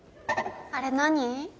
あれ何？